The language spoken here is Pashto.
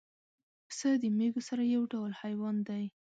پسه د مېږو سره یو ډول حیوان دی.